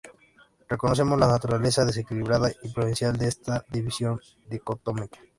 Reconocemos la naturaleza desequilibrada y provincial de esta división dicotómica.